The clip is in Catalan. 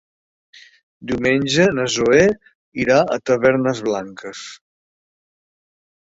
Diumenge na Zoè irà a Tavernes Blanques.